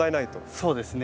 そうですね。